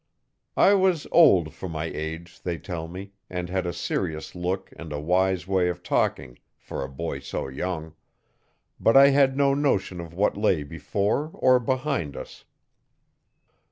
I was old for my age, they tell me, and had a serious look and a wise way of talking, for a boy so young; but I had no notion of what lay before or behind us.